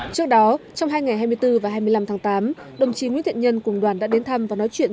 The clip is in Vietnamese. trước đó trong hai ngày hai mươi bốn và hai mươi năm tháng tám đồng chí nguyễn thiện nhân cùng đoàn đã đến thăm và nói chuyện